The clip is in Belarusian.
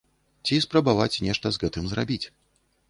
Ці спрабаваць нешта з гэтым зрабіць.